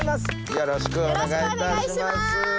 よろしくお願いします！